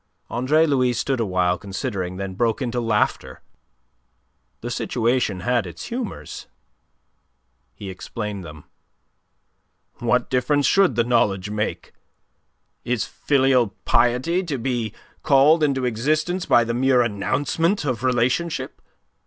Andre Louis stood awhile, considering, then broke into laughter. The situation had its humours. He explained them. "What difference should the knowledge make? Is filial piety to be called into existence by the mere announcement of relationship?